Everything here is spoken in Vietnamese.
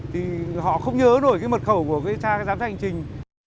thì họ không nhớ nổi cái mật khẩu của vsa giám sát hành trình